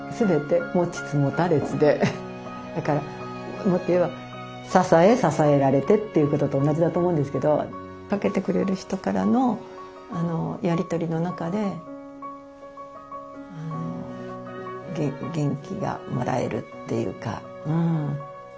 だからもっと言えば支え支えられてということと同じだと思うんですけどかけてくれる人からのやり取りの中で元気がもらえるっていうか。